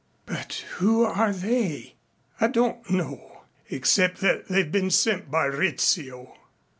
"But who are they?" "I don't know. Except that they've been sent by Rizzio."